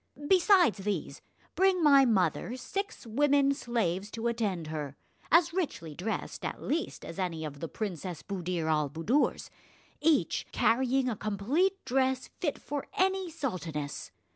Besides these, bring my mother six women slaves to attend her, as richly dressed at least as any of the Princess Buddir al Buddoor's, each carrying a complete dress fit for any sultaness.